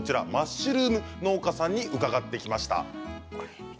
マッシュルーム農家さんに伺ってきました。